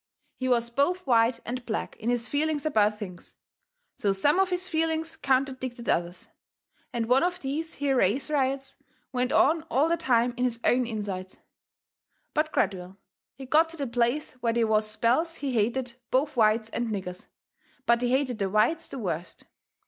He was both white and black in his feelings about things, so some of his feelings counterdicted others, and one of these here race riots went on all the time in his own insides. But gradual he got to the place where they was spells he hated both whites and niggers, but he hated the whites the worst.